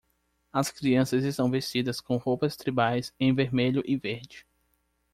As crianças estão vestidas com roupas tribais em vermelho e verde.